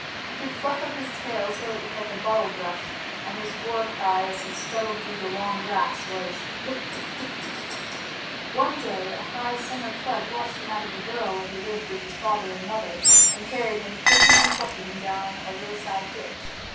He could fluff up his tail till it looked like a bottle brush, and his war cry as he scuttled through the long grass was: "Rikk tikk tikki tikki tchk!" One day, a high summer flood washed him out of the burrow where he lived with his father and mother, and carried him, kicking and clucking, down a roadside ditch.